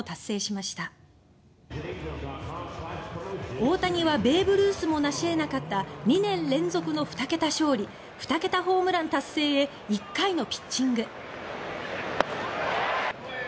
大谷はベーブ・ルースも成しえなかった２年連続の２桁勝利２桁ホームラン達成へ１回のピッチング。